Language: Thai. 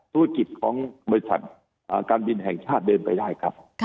ธุรกิจของบริษัทการบินแห่งชาติเดินไปได้ครับ